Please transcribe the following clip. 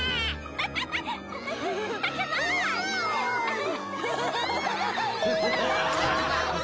アハハハ！